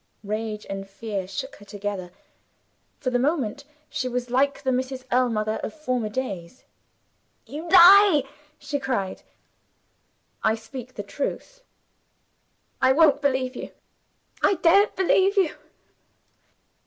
Rage and fear shook her together. For the moment she was like the Mrs. Ellmother of former days. "You lie!" she cried. "I speak the truth." "I won't believe you! I daren't believe you!"